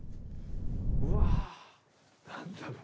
うわ何だろう。